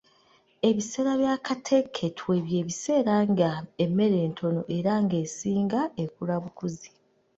Ebiseera bya Kateketwe by’ebiseera nga emmere ntono era nga esinga ekula bukuzi.